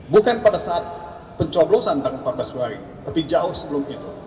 bukan pada saat pencoblosan tanggal empat belas hari tapi jauh sebelum itu